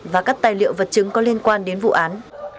và các tài liệu vật chứng có liên quan đến vụ án